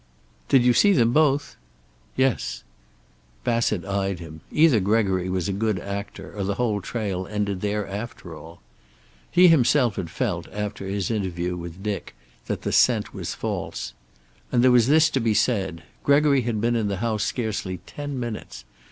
"Did you see them both?" "Yes." Bassett eyed him. Either Gregory was a good actor, or the whole trail ended there after all. He himself had felt, after his interview, with Dick, that the scent was false. And there was this to be said: Gregory had been in the house scarcely ten minutes.